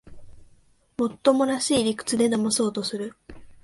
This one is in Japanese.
もっともらしい理屈でだまそうとする